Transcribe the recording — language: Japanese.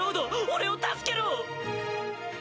俺を助けろ！